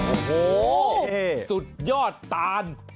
โอ้โหสุดยอดตาน